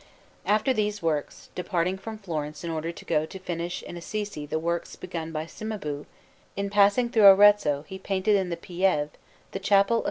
Francesco_)] After these works, departing from Florence in order to go to finish in Assisi the works begun by Cimabue, in passing through Arezzo he painted in the Pieve the Chapel of S.